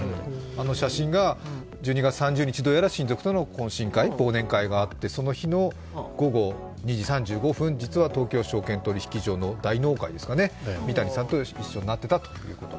あの写真が１２月３０日、どうやら親族との懇親会、忘年会があってその日の午後２時３５分、実は東京証券取引所の大納会で三谷さんと一緒になっていたということで。